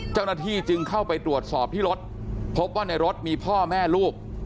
เจ้าหน้าที่จึงเข้าไปตรวจสอบที่รถพบว่าในรถมีพ่อแม่ลูก